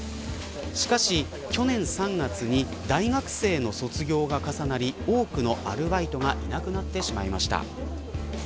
しかし、去年３月に大学生の卒業が重なり多くのアルバイトがいなくなってしまいました。